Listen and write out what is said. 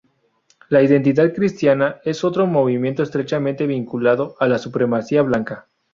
La Identidad Cristiana es otro movimiento estrechamente vinculado a la supremacía blanca.